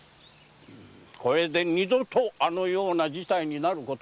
これで二度とあのような事態になることはございますまい。